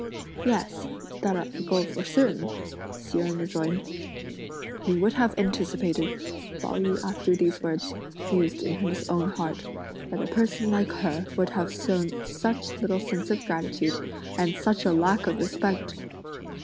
"Yes, that I'll go for certain," Hsi Jen rejoined. "Who would have anticipated," Pao yü, after these words, mused in his own heart, "that a person like her would have shown such little sense of gratitude, and such a lack of respect!